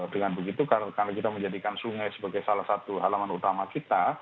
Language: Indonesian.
dengan begitu karena kita menjadikan sungai sebagai salah satu halaman utama kita